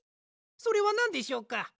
それはなんでしょうか？